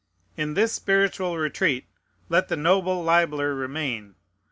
In this spiritual retreat let the noble libeller remain.